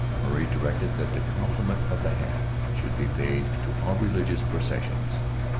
Murray directed that 'the compliment of the hat' should be paid to all religious processions.